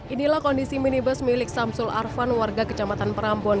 inilah kondisi minibus milik samsul arvan warga kecamatan perambon